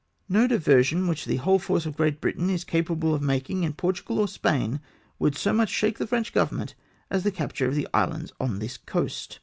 " No diversion which the whole force of Great Britain is capable of making in Portugal or Spain, would so much shake the French government as the captm'e of the islands on this coast.